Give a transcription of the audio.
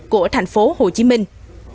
của thành phố hồ chí minh